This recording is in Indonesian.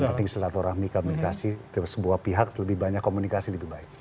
penting silaturahmi komunikasi sebuah pihak lebih banyak komunikasi lebih baik